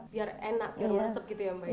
biar enak biar meresap gitu ya mbah ya